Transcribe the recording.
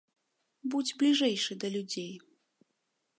Будзь бліжэйшы да людзей!